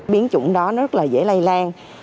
biến chủng đó rất là dễ lây lan